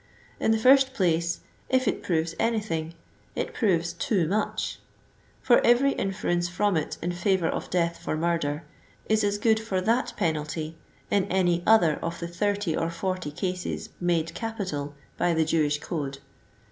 In the first place, if it proves any thing, it proves too much ; for every inference from it in favor of death for murder, is as good for that penalty in any other of the thirty or forty cases made capital by the Jewish code.